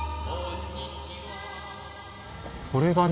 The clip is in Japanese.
これがね